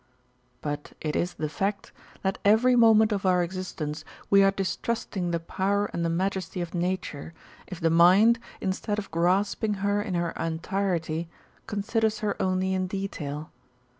^ But it is the fact, that every moment of our existence we are distrust ing the power and the majesty of Nature, if the mind, instead of grasping her in her entirety, considers her only in detail.